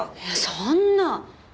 そんな。